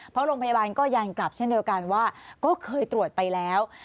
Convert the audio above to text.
เพราะโรงพยาบาลก็ยันกลับเช่นเดียวกันว่าก็เคยตรวจไปแล้ว